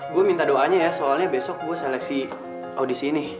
gue minta doanya ya soalnya besok gue seleksi audisi ini